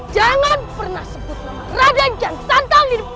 jangan pernah sebut nama raden kian santan di depanku